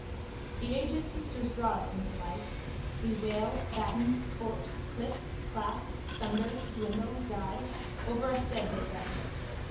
The aged sisters draw us into life: we wail, batten, sport, clip, clasp, sunder, dwindle, die: over us dead they bend.